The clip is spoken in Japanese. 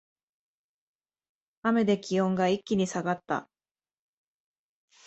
雨で気温が一気に下がった